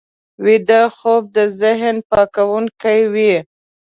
ویده خوب د ذهن پاکوونکی وي